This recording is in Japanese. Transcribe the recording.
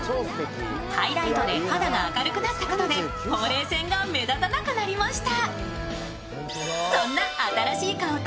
ハイライトで肌が明るくなったことで、ほうれい線が目立たなくなりました。